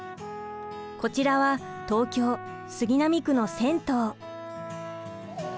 こちらは東京・杉並区の銭湯。